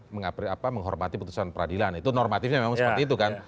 menghormati putusan peradilan itu normatifnya memang seperti itu kan